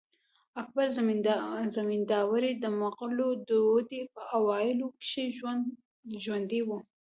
اکبر زمینداوری د مغلو د دوې په اوایلو کښي ژوندی وو.